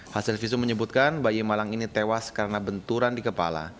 hasil visum menyebutkan bayi malang ini tewas karena benturan di kepala